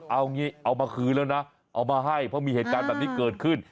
เอางี้เอามาคืนแล้วนะเอามาให้เพราะมีเหตุการณ์แบบนี้เกิดขึ้น